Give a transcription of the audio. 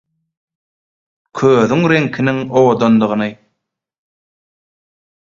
Közüň reňkiniň owadandygyny.